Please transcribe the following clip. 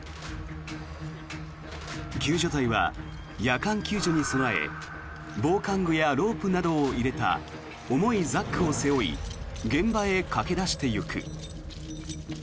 救助隊は夜間救助に備え防寒具やロープなどを入れた重いザックを背負い現場へ駆け出していく。